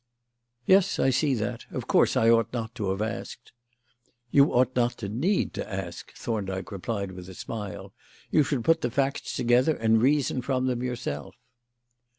"Yes, I see that. Of course, I ought not to have asked." "You ought not to need to ask," Thorndyke replied, with a smile; "you should put the facts together and reason from them yourself."